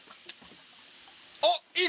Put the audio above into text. あっいい！